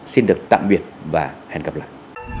xin được tạm biệt và hẹn gặp lại